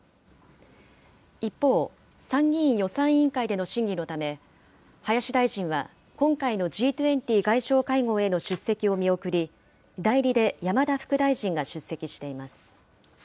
一方、参議院予算委員会での審議のため、林大臣は今回のＧ２０外相会合への出席を見送り、代理で山田副大臣が出席しています。